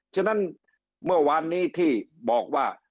ฉะนั้นเมื่อวานนี้ที่บอกว่า